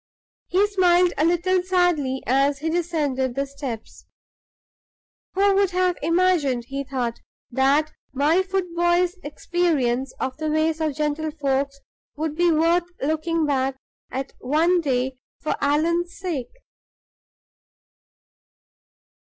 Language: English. He smiled a little sadly as he descended the steps. "Who would have imagined," he thought, "that my foot boy's experience of the ways of gentlefolks would be worth looking back at one day for Allan's sake?"